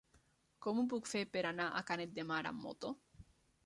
Com ho puc fer per anar a Canet de Mar amb moto?